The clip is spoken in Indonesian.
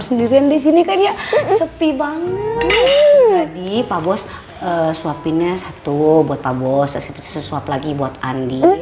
sendirian di sini kan ya sepi banget jadi pak bos swapinnya satu buat pak bos swap lagi buat andi